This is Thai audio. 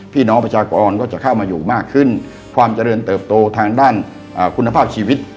พี่น้องประชากรก็จะเข้ามาอยู่มากขึ้นความเจริญเติบโตทางด้านคุณภาพชีวิต